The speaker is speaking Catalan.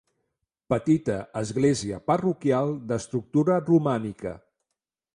Petita església parroquial d'estructura romànica.